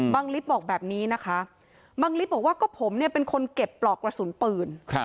ลิฟต์บอกแบบนี้นะคะบังลิฟต์บอกว่าก็ผมเนี่ยเป็นคนเก็บปลอกกระสุนปืน